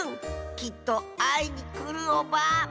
きっとあいにくるオバ。